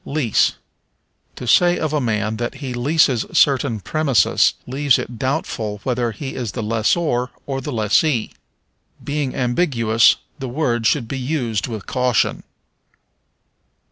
Lease. To say of a man that he leases certain premises leaves it doubtful whether he is lessor or lessee. Being ambiguous, the word should be used with caution.